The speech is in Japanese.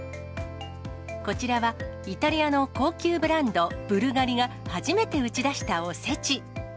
こちらは、イタリアの高級ブランド、ブルガリが初めて打ち出したおせち。